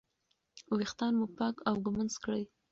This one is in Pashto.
ویښتان مو پاک او ږمنځ کړئ.